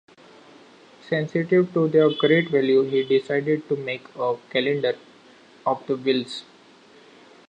Sensitive to their great value, he decided to make a 'Calendar' of the Wills.